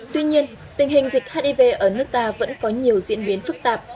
tuy nhiên tình hình dịch hiv ở nước ta vẫn có nhiều diễn biến phức tạp